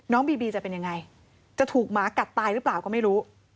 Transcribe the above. บีบีจะเป็นยังไงจะถูกหมากัดตายหรือเปล่าก็ไม่รู้